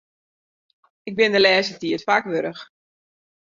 Ik bin de lêste tiid faak warch.